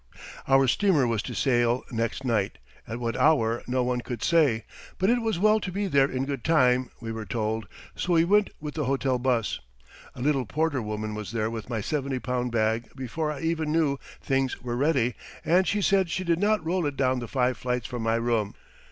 Our steamer was to sail next night at what hour no one could say, but it was well to be there in good time, we were told, so we went with the hotel bus. A little porter woman was there with my 70 pound bag before I even knew "things were ready"; and she said she did not roll it down the five flights from my room.